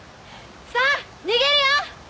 さあ逃げるよ！